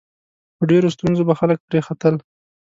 په ډېرو ستونزو به خلک پرې ختل.